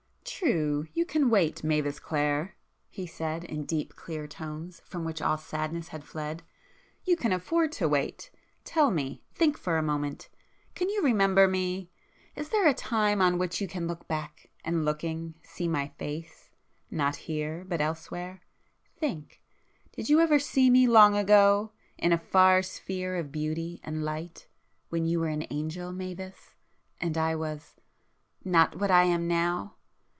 "True,—you can wait, Mavis Clare!" he said in deep clear tones from which all sadness had fled—"You can afford to wait! Tell me,—think for a moment!—can you remember me? Is there a time on which you can look back, and looking, see my face, not here but elsewhere? Think! [p 349] Did you ever see me long ago—in a far sphere of beauty and light, when you were an Angel, Mavis,—and I was—not what I am now!